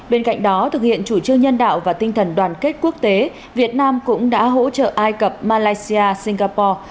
bên cạnh đó thực hiện chủ trương nhân đạo và tinh thần đoàn kết quốc tế việt nam cũng đã hỗ trợ ai cập malaysia singapore